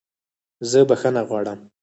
زه بخښنه غواړم!